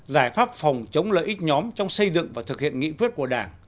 giải pháp phòng chống lợi ích nhóm trong xây dựng và thực hiện nghị quyết của đảng